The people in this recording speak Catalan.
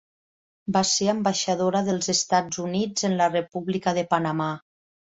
Va ser ambaixadora dels Estats Units en la República de Panamà.